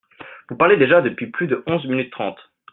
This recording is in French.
Vous parlez déjà depuis plus de onze minutes trente